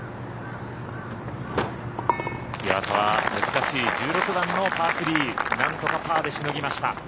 岩田は、難しい１６番のパー３何とかパーでしのぎました。